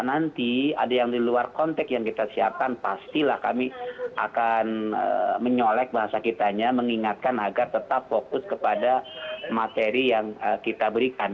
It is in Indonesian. nanti ada yang di luar konteks yang kita siapkan pastilah kami akan menyolek bahasa kitanya mengingatkan agar tetap fokus kepada materi yang kita berikan